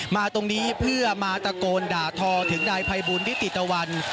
มาตรงนี้เพื่อมาตะโกนด่าทอถึงนายภัยบูลนิติตะวัน